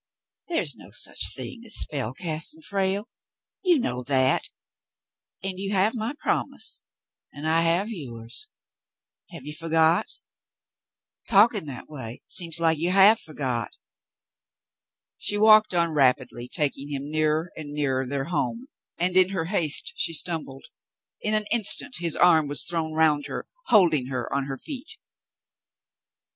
"There's no such thing as spell casting, Frale. You know that, and you have my promise and I have yours. Have you forgot ^ Talking that way seems like you have forgot." She walked on rapidly, taking him nearer and nearer their home, and in her haste she stumbled. In an instant his arm was thrown around her, holding her on her feet.